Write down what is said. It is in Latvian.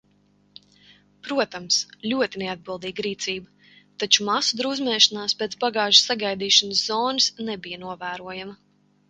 Protams, ļoti neatbildīga rīcība, taču masu drūzmēšanās pēc bagāžas sagaidīšanas zonas nebija novērojama.